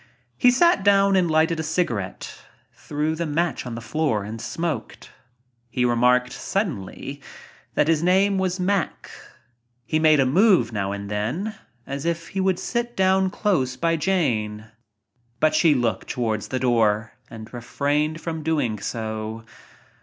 He sat down and lighted a cigarette, threw the match on the floor and smoked. He remarked suddenly that his name was Mack. He made a move now and then as if he would sit down close by Jane, but he looked towards the door and refrained from doing so.